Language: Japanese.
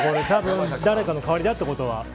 多分、誰かの代わりだってことは。